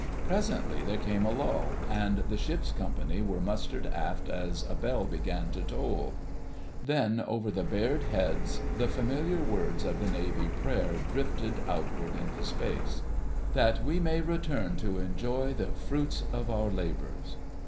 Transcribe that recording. Presently there came a lull, and the ship's company were mustered aft as a bell began to toll. Then over the bared heads the familiar words of the Navy Prayer drifted outward into space. "... That we may return to enjoy ... the fruits of our labours."